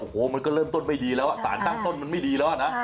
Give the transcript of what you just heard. โอ้โหมันก็เริ่มต้นไม่ดีแล้วสารตั้งต้นมันไม่ดีแล้วนะ